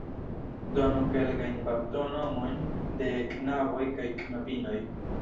Donu kelkajn baptonomojn de knaboj kaj knabinoj.